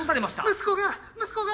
息子が息子が！